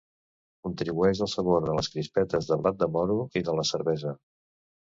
Contribueix al sabor de les crispetes de blat de moro i de la cervesa.